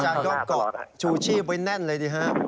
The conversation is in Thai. อาจารย์ก็เกาะชูชีพไว้แน่นเลยดีครับ